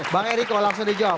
bang ericko langsung dijawab